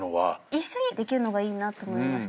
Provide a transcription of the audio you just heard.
一緒にできるのがいいなと思いましたね。